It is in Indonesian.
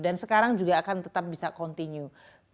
dan sekarang juga akan tetap bisa continue